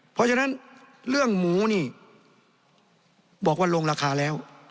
เพราะฉะนั้นเรื่องหมูนี่บอกว่าลงราคาแล้ว